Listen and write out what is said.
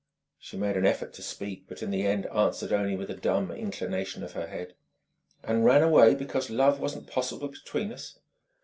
She made an effort to speak, but in the end answered only with a dumb inclination of her head. "And ran away because love wasn't possible between us?"